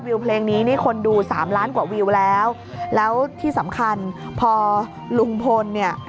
เพลงนี้นี่คนดูสามล้านกว่าวิวแล้วแล้วที่สำคัญพอลุงพลเนี่ย